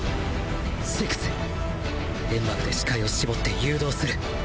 ６ｔｈ 煙幕で視界を絞って誘導する！